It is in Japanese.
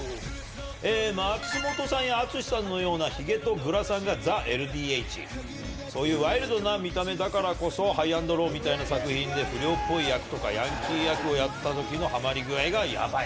松本さんやＡＴＳＵＳＨＩさんのようなひげとグラサンがザ・ＬＤＨ、そういうワイルドな見た目だからこそ、ＨｉＧＨ＆ＬＯＷみたいな作品で不良っぽい役とか、ヤンキー役をやってたときのはまり具合がやばい！